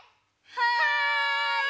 はい！